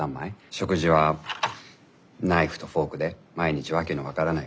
食事はナイフとフォークで毎日訳の分からないフレンチ。